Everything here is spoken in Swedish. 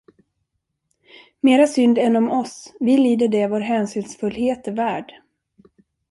Mera synd än om oss, vi lider det vår hänsynsfullhet är värd.